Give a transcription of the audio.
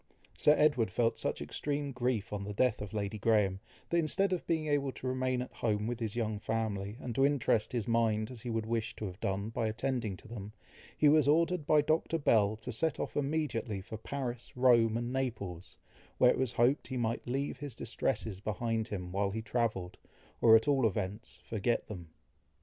Sir Edward felt such extreme grief on the death of Lady Graham, that instead of being able to remain at home with his young family, and to interest his mind as he would wish to have done, by attending to them, he was ordered by Dr. Bell, to set off immediately for Paris, Rome, and Naples, where it was hoped he might leave his distresses behind him while he travelled, or at all events, forget them.